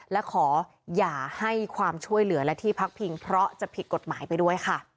และขออย่าให้ความช่วยเหลือและที่พักพิงเพราะจะผิดกฎหมายไปด้วยค่ะ